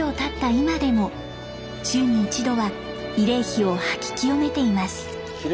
今でも週に１度は慰霊碑を掃き清めています。